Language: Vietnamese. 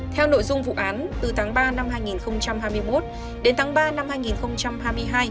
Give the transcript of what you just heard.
theo nội dung vụ án từ tháng ba năm hai nghìn hai mươi một đến tháng ba năm hai nghìn hai mươi hai